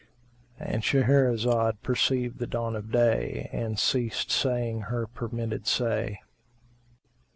—And Shahrazad perceived the dawn of day and ceased saying her permitted say.